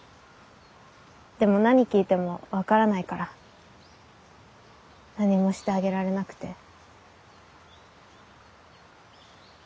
でも何聞いても分からないから何もしてあげられなくて。